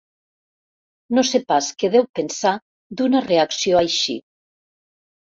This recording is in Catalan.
No sé pas què deu pensar d'una reacció així.